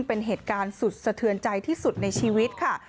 เป็นเหตุการณ์สุดสะเทือนใจที่สุดในชีวิตค่ะ